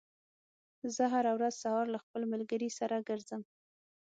زه هره ورځ سهار له خپل ملګري سره ګرځم.